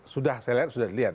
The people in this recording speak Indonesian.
sudah saya lihat sudah lihat